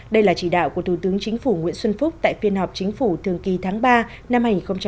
đây là chỉ đạo của thủ tướng chính phủ nguyễn xuân phúc tại phiên họp chính phủ thường kỳ tháng ba năm hai nghìn hai mươi